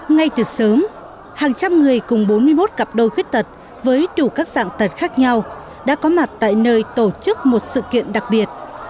ngay từ sớm hàng trăm người cùng bốn mươi một cặp đôi khuyết tật với đủ các dạng tật khác nhau đã có mặt tại nơi tổ chức một sự kiện đặc biệt